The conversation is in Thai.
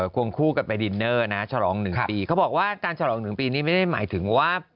ควงคู่กับไปดินเนอร์นะ